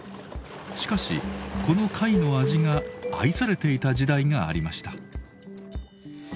しかしこの貝の味が愛されていた時代がありました。